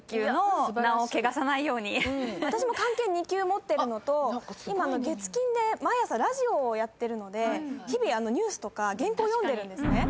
私も漢検二級持ってるのと今月金で毎朝ラジオをやってるので日々ニュースとか原稿を読んでるんですね。